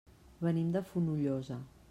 Venim de Fonollosa.